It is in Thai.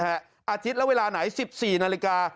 อาทิตย์แล้วเวลาไหน๑๔นาฬิกา